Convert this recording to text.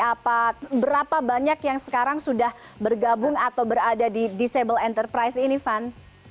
apa berapa banyak yang sekarang sudah bergabung atau berada di disable enterprise ini van